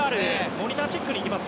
モニターチェックにいきます。